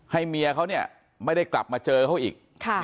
เมียเขาเนี่ยไม่ได้กลับมาเจอเขาอีก